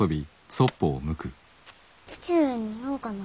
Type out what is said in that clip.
父上に言おうかな。